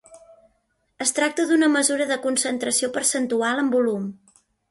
Es tracta d'una mesura de concentració percentual en volum.